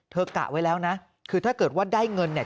กะไว้แล้วนะคือถ้าเกิดว่าได้เงินเนี่ย